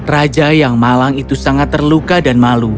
raja yang malang itu sangat terluka dan malu